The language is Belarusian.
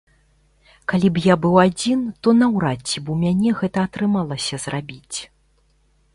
Калі б я быў адзін, то наўрад ці б у мяне гэта атрымалася зрабіць.